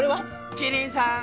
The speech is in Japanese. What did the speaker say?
キリンさん。